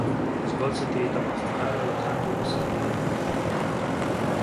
Svolse attività pastorale a Los Angeles e Burbank.